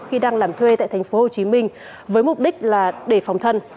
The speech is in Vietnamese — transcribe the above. khi đang làm thuê tại thành phố hồ chí minh với mục đích là để phòng thân